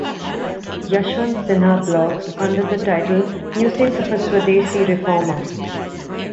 Yashwant Sinha blogs under the title "Musings of a Swadeshi Reformer".